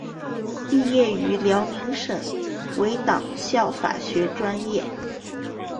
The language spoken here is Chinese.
毕业于辽宁省委党校法学专业。